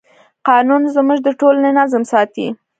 قانون زموږ د ټولنې نظم ساتي.